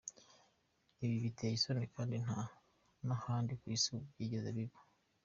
Ibi biteye isoni kandi nta n’ahandi ku isi byigeze biba!